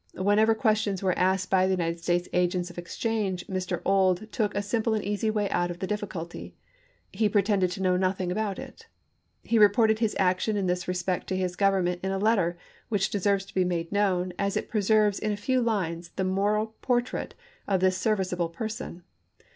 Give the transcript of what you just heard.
Whenever questions were asked by the United States agent of exchange, Mr. Ould took a simple and easy way out of the difficulty. He pretended to know nothing about it. He reported his action in this respect to his Government in a letter which deserves to be made known, as it preserves in a few lines the moral portrait of this serviceable person.